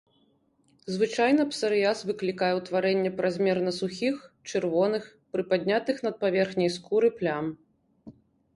Звычайна псарыяз выклікае ўтварэнне празмерна сухіх, чырвоных, прыпаднятых над паверхняй скуры плям.